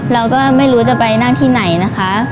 เราก็ไม่รู้จะไปนั่งที่ไหนนะคะ